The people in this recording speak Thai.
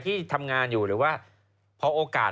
แต่แต่งานหรออ่ออ่าอ่าอ่า